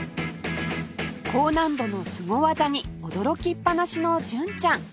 高難度のスゴ技に驚きっぱなしの純ちゃん